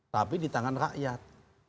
tapi di tangan rakyat